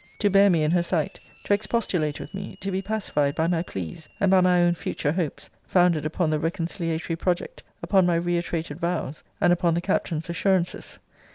] to bear me in her sight: to expostulate with me, to be pacified by my pleas, and by my own future hopes, founded upon the reconciliatory project, upon my reiterated vows, and upon the Captain's assurances.